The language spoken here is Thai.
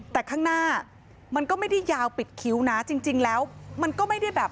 แต่ข้างหน้ามันก็ไม่ได้ยาวปิดคิ้วนะจริงจริงแล้วมันก็ไม่ได้แบบ